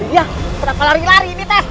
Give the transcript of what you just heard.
iya kenapa lari lari ini tes